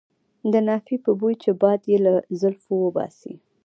د نافې په بوی چې باد یې له زلفو وباسي.